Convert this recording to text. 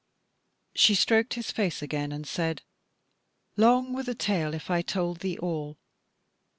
She stroked his face again and said: "Long were the tale if I told thee all.